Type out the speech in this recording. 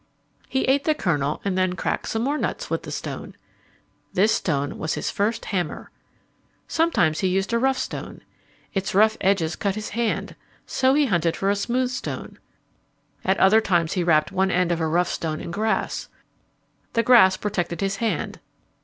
He ate the kernel and then cracked some more nuts with the stone. This stone was his first hammer. Sometimes he used a rough stone. Its rough edges hurt his hand, so he hunted for a smooth stone. At other times he wrapped one end of a rough stone in grass. The grass protected his hand.